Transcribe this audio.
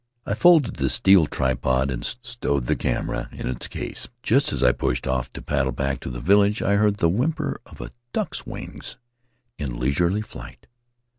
I folded the steel tripod and stowed the camera in its case; just as I pushed off to paddle back to the village I heard the whimper of a duck's wings in leisurely flight.